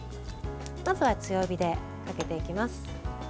まずは、強火でかけていきます。